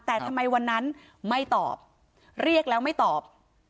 แต่ทำไมวันนั้นไม่ตอบเรียกแล้วไม่ตอบ